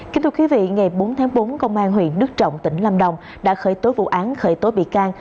kính thưa quý vị ngày bốn tháng bốn công an huyện đức trọng tỉnh lâm đồng đã khởi tố vụ án khởi tố bị can